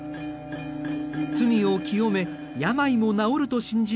罪を清め病も治ると信じられる沐浴。